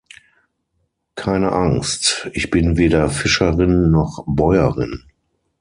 Keine Angst, ich bin weder Fischerin noch Bäuerin.